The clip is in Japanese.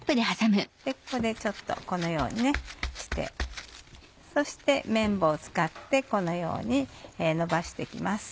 ここでちょっとこのようにしてそしてめん棒を使ってこのようにのばして行きます。